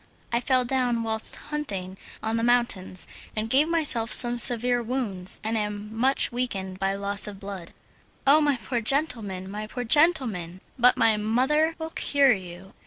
"I fell down whilst hunting on the mountains, and gave myself some severe wounds, and am much weakened by loss of blood." "Oh! my poor gentleman, my poor gentleman! But my mother will cure you."